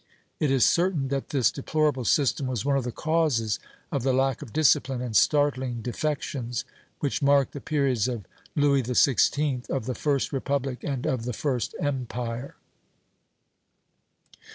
It is certain that this deplorable system was one of the causes of the lack of discipline and startling defections which marked the periods of Louis XVI., of the [first] Republic, and of the [first] Empire."